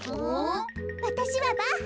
わたしはバッハ。